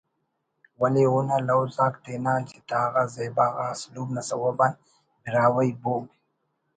ولے اونا لوز آک تینا جتا غا زیبا غا اسلوب نا سوب آن براہوئی بوگ